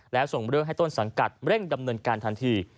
แล้วส่งเรื่องให้ต้นสังกัดเร่งดำเนินการทันที